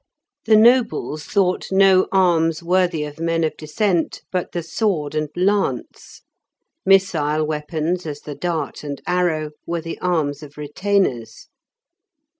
The nobles thought no arms worthy of men of descent but the sword and lance; missile weapons, as the dart and arrow, were the arms of retainers.